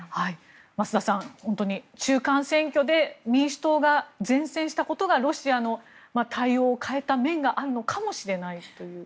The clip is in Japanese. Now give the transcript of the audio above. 増田さん、本当に中間選挙で民主党が善戦したことがロシアの対応を変えた面があるのかもしれないという。